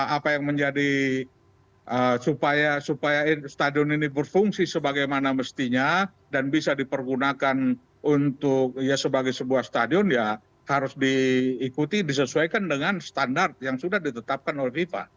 apa yang menjadi supaya stadion ini berfungsi sebagaimana mestinya dan bisa dipergunakan untuk ya sebagai sebuah stadion ya harus diikuti disesuaikan dengan standar yang sudah ditetapkan oleh fifa